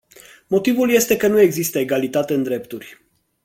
Motivul este că nu există egalitate în drepturi.